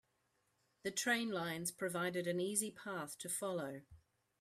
The train lines provided an easy path to follow.